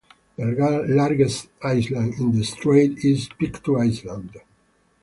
The largest island in the strait is Pictou Island.